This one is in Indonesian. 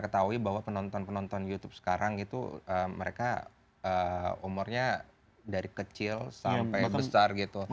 ketahui bahwa penonton penonton youtube sekarang itu mereka umurnya dari kecil sampai besar gitu